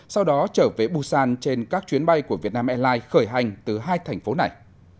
sau đó trở về busan trên các chuyến bay của vietnam airlines khởi hành từ hai thành phố này